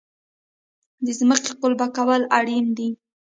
د ځمکې قلبه کول اړین دي.